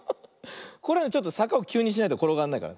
これちょっとさかをきゅうにしないところがんないから。